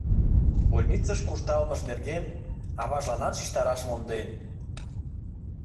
Больницыш куржталмыж нерген аважланат шижтараш монден.